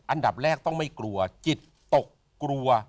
อันดับแรกต้องไม่กลัวจิตตกกลัว